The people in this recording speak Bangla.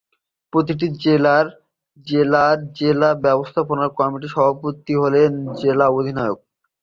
প্রতিটি জেলার জেলা ব্যবস্থাপনা কমিটির সভাপতি হলেন জেলা আধিকারিক।